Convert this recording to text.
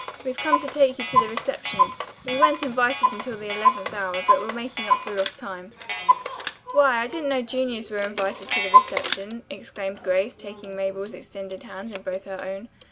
"We've come to take you to the reception. We weren't invited until the eleventh hour, but we're making up for lost time." "Why, I didn't know juniors were invited to the reception," exclaimed Grace, taking Mabel's extended hand in both her own.